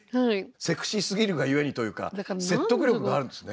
セクシーすぎるが故にというか説得力があるんですね。